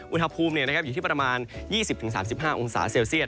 อุณหภูมิอยู่ที่ประมาณ๒๐๓๕องศาเซลเซียต